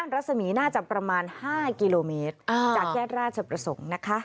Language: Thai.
รัศมีน่าจะประมาณ๕กิโลเมตรจากแยกราชประสงค์นะคะ